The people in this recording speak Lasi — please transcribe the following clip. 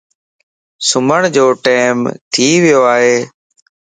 سمھڻ جو ٽيم ٿي ويو ائي